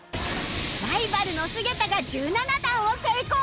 ライバルの菅田が１７段を成功！